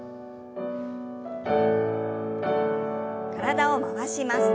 体を回します。